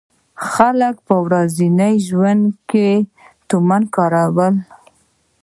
خلک په ورځني ژوند کې تومان کاروي.